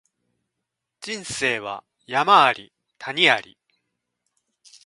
人生は山あり谷あり